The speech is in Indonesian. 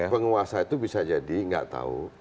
tapi penguasa itu bisa jadi gak tahu